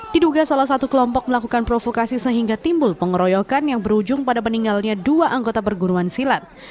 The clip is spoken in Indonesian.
diduga salah satu kelompok melakukan provokasi sehingga timbul pengeroyokan yang berujung pada meninggalnya dua anggota perguruan silat